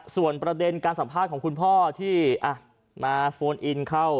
ส่วนประเด็นการสัมภาษณ์ของคุณพ่อที่มาโฟนอินเข้า